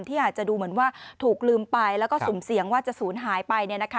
ที่อาจจะดูเหมือนว่าถูกลืมไปแล้วก็สุ่มเสี่ยงว่าจะศูนย์หายไป